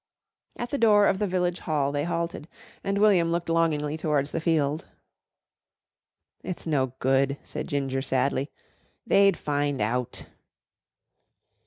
At the door of the Village Hall they halted, and William looked longingly towards the field. "It's no good," said Ginger sadly, "they'd find out."